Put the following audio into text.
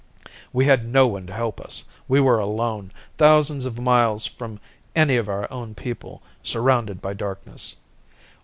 "We had no one to help us. We were alone, thousands of miles from any of our own people, surrounded by darkness.